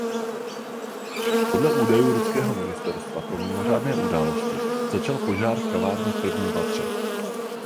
Podle údajů ruského ministerstva pro mimořádné události začal požár v kavárně v prvním patře.